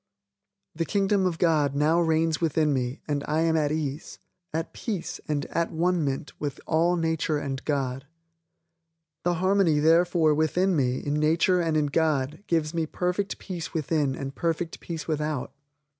The Kingdom of God now reigns within me and I am at ease, at peace and at one ment with all nature and God. The harmony therefore within me in nature and in God gives me perfect peace within and perfect peace without.